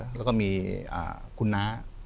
แล้วก็มีคุณน้า